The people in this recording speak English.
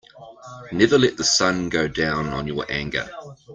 Never let the sun go down on your anger.